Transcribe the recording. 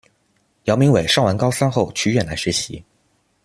姚明伟上完高三后去越南学习。